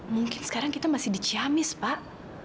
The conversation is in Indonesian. mungkin sekarang kita masih di ciamis pak